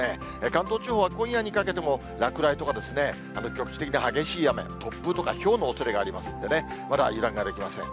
関東地方は今夜にかけても、落雷とか局地的な激しい雨、突風とかひょうのおそれがありますんでね、まだ油断ができません。